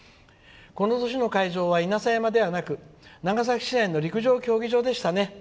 この年の会場は稲佐山ではなく長崎市内の陸上競技場でしたね。